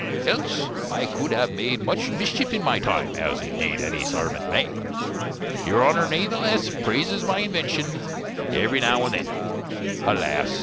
Els I could have made much mischief in my time; as indeed any sarvant may. Your Honner nathaless praises my invenshon every now and then: Alas!